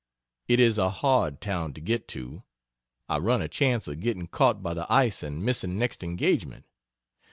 It is a hard town to get to I run a chance of getting caught by the ice and missing next engagement.